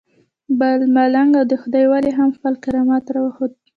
بل ملنګ او د خدای ولی هم خپل کرامت راوښود.